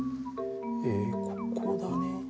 ここだね。